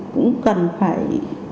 cũng cần phải